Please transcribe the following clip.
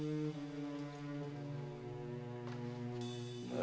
何？